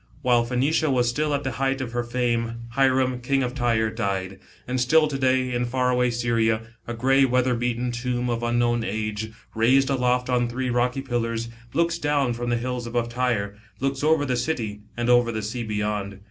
While Phoenicia was still afc the height ofMier fame, Hiram, King of Tyre, died. And still to day 5 in far away Syria, & grey weather beaten tomb of unknown age, raised aloft on three rocky pillars, looks down from the hills above Tyre looks over the city and over the sea beyond.